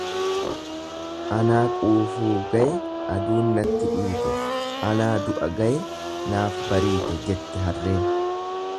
Anaa quufuu gaye aduun natti dhiite, anaa du'a gaye naaf bariite jette harreen.